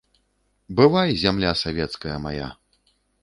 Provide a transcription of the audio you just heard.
Бывай, зямля савецкая мая!